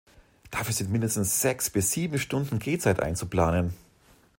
Dafür sind mindestens sechs bis sieben Stunden Gehzeit einzuplanen.